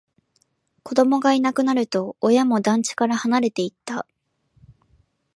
子供がいなくなると、親も団地から離れていった